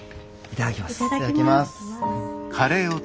頂きます。